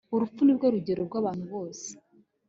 urupfu nirwo rugero rwabantu bose